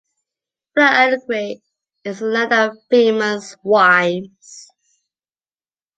Villa Alegre is the land of famous wines.